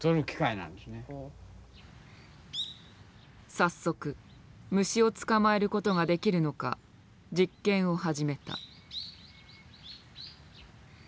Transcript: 早速虫を捕まえることができるのか実験を始めた。